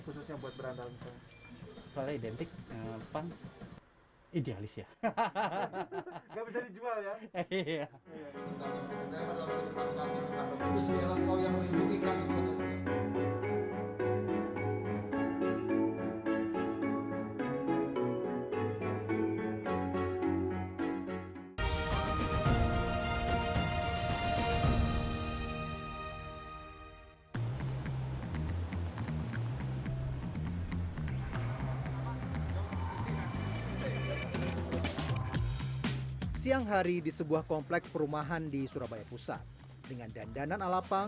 kenapa masih belum bisa buat berandal